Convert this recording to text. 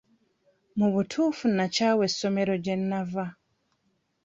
Mu butuufu nnakyawa essomero gye nnava.